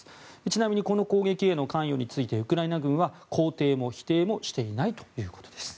ちなみにこの攻撃への関与についてウクライナ軍は肯定も否定もしていないということです。